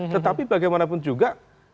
tetapi bagaimanapun juga